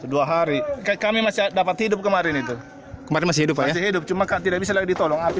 dua hari kami masih dapat hidup kemarin itu masih hidup hidup cuma tidak bisa ditolong api